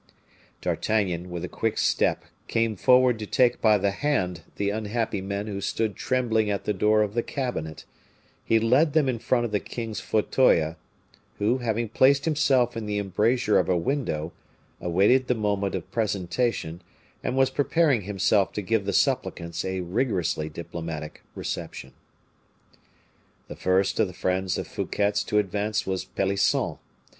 D'Artagnan, with a quick step, came forward to take by the hand the unhappy men who stood trembling at the door of the cabinet; he led them in front of the king's fauteuil, who, having placed himself in the embrasure of a window, awaited the moment of presentation, and was preparing himself to give the supplicants a rigorously diplomatic reception. The first of the friends of Fouquet's to advance was Pelisson.